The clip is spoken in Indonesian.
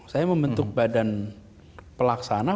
saya membentuk badan pelaksana